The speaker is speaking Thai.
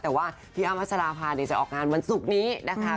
แต่ว่าพี่อ้ำพัชราภาจะออกงานวันศุกร์นี้นะคะ